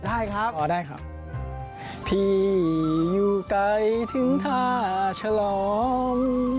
ได้ครับอ๋อได้ครับพี่อยู่ไกลถึงท่าฉลอม